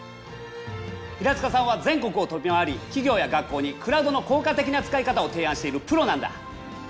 平塚さんは全国を飛び回り企業や学校にクラウドの効果的な使い方を提案しているプロなんだ。